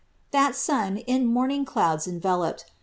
That sun, in morning clouds enveloped.